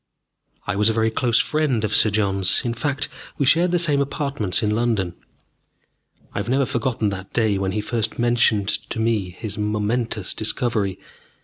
I was a very close friend of Sir John's. In fact, we shared the same apartments in London. I have never forgotten that day when he first mentioned to me his momentous discovery.